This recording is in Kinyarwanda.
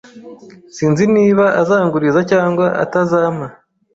Sinzi niba azanguriza cyangwa atazampa.